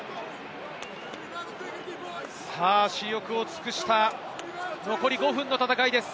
死力を尽くした残り５分の戦いです。